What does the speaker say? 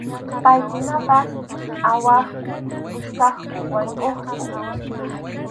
Paykunapas awaqku, puskaqku, waykʼuqku.